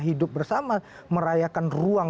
hidup bersama merayakan ruang